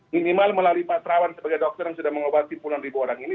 minimal melalui pak terawan sebagai dokter yang sudah mengobati puluhan ribu orang ini